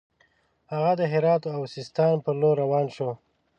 هغه د هرات او سیستان پر لور روان شو.